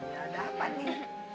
ya udah apa nih